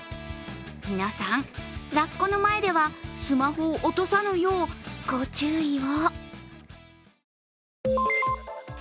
皆さん、ラッコの前ではスマホを落とさぬようご注意を。